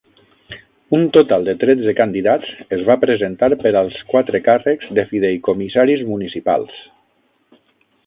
Un total de tretze candidats es va presentar per als quatre càrrecs de fideïcomissaris municipals.